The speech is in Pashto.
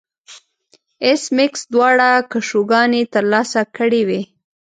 ایس میکس دواړه کشوګانې ترلاسه کړې وې